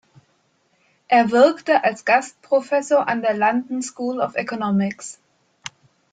Er wirkte als Gastprofessor an der London School of Economics.